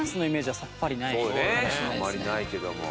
あまりないけども。